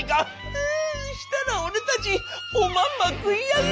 うそしたら俺たちおまんま食い上げだ！